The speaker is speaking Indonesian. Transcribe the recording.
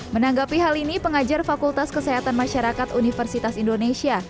menanggapi hal ini pengajar fakultas kesehatan masyarakat universitas indonesia